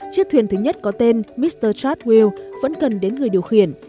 chiếc thuyền thứ nhất có tên mr chadwell vẫn cần đến người điều khiển